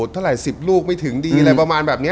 เท่าไหร่๑๐ลูกไม่ถึงดีอะไรประมาณแบบนี้